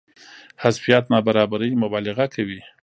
حذفيات نابرابرۍ مبالغه کوي.